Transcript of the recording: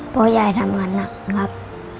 เพราะยายทำงานหนักครับ